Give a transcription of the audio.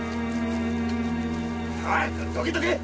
おいどけどけ！